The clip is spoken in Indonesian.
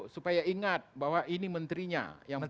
supaya ingat bahwa ini menterinya yang perlu